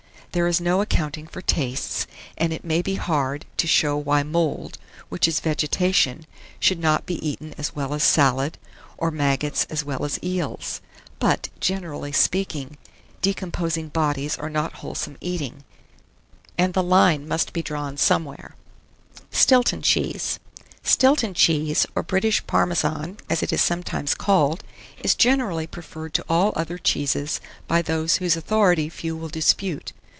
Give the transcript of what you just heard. There is no accounting for tastes, and it maybe hard to show why mould, which is vegetation, should not be eaten as well as salad, or maggots as well as eels. But, generally speaking, decomposing bodies are not wholesome eating, and the line must be drawn somewhere. STILTON CHEESE. [Illustration: STILTON CHEESE.] 1639. Stilton cheese, or British Parmesan, as it is sometimes called, is generally preferred to all other cheeses by those whose authority few will dispute.